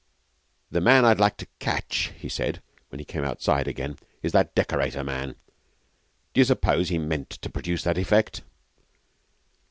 The man I'd like to catch,' he said when he came outside again, 'is that decorator man. D'you suppose he meant to produce that effect?'